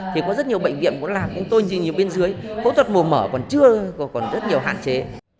thì có rất nhiều bệnh viện muốn làm nhưng tôi nhìn như bên dưới phẫu thuật mùa mở còn chưa còn rất nhiều hạn chế